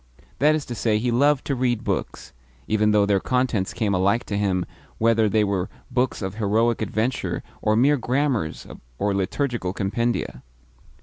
That is to say, he loved to read books, even though their contents came alike to him whether they were books of heroic adventure or mere grammars or liturgical compendia.